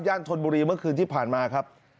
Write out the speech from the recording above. ธนบุรีเมื่อคืนที่ผ่านมาครับ